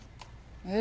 えっ？